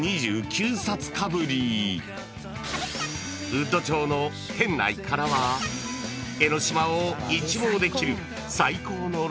［ウッド調の店内からは江の島を一望できる最高のロケーション］